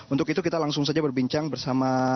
untuk itu kita langsung saja berbincang bersama